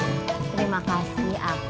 nggak nyebutan siapa siapa sekarang tapi